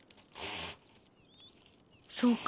そうか。